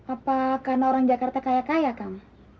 apakah orang jakarta kaya kaya kam